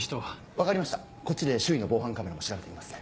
分かりましたこっちで周囲の防犯カメラも調べてみますね。